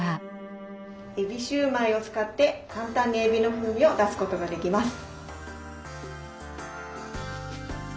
えびシューマイを使って簡単にえびの風味を出すことができます。